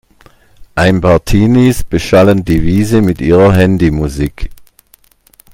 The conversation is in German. Ein paar Teenies beschallen die Wiese mit ihrer Handymusik.